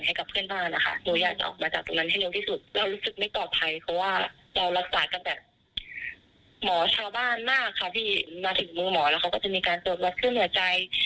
มาถึงมุมหมอแล้วเขาก็จะมีการตรวจวัดขึ้นหัวใจ